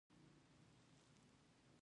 هغوی تر ما مخکې په لمانځه ولاړ وي.